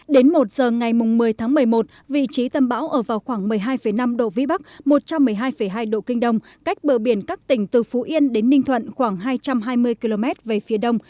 đến một giờ ngày một mươi tháng một mươi một vị trí tâm bão ở vào khoảng một mươi hai năm độ vĩ bắc một trăm một mươi hai hai độ kinh đông cách bờ biển các tỉnh từ phú yên đến ninh thuận khoảng hai trăm hai mươi km về phía đông